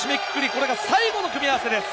これが最後の組み合わせです。